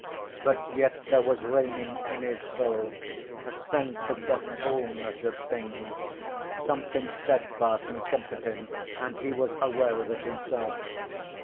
But yet there was reigning in his soul a sense of the wholeness of things—something steadfast and comforting—and he was aware of it himself.